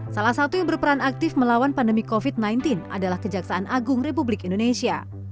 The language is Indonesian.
salah satu yang berperan aktif melawan pandemi covid sembilan belas adalah kejaksaan agung republik indonesia